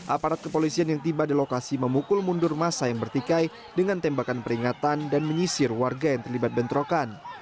aparat kepolisian yang tiba di lokasi memukul mundur masa yang bertikai dengan tembakan peringatan dan menyisir warga yang terlibat bentrokan